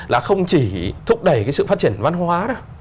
là không chỉ thúc đẩy cái sự phát triển văn hóa đâu